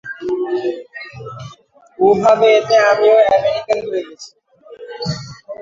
ও ভাবে এতে আমিও আমেরিকান হয়ে গেছি।